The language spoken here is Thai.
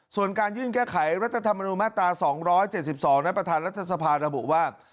ส่วนการยื่นแก้ไขรัฐธรรมนุนมาตรา๒๗๒นั้นประธานรัฐสภาระบุว่า